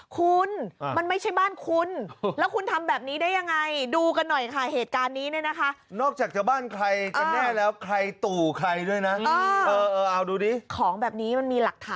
คุณมันไม่ใช่บ้านคุณแล้วคุณทำแบบนี้ได้ยังไงดูกันหน่อยค่ะเหตุการณ์นี้เนี่ยนะคะ